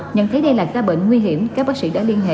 nhận thấy đây là ca bệnh nguy hiểm các bác sĩ đã liên hệ